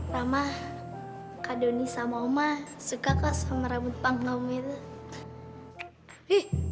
rama kak doni sama oma suka kok sama rambut panggungnya itu